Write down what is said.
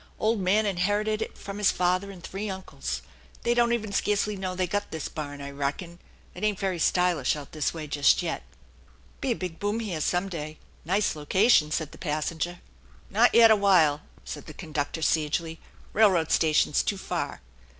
Old man in herited it from his father and three uncles. They don't even scarcely know they got this barn, I reckon. It ain't very stylish out this way just yet." " Be a big boom here some day ; nice location," said the passenger. " Not yetta while," said the conductor sagely ;" railroad THE ENCHANTED BARN 13 station's too far.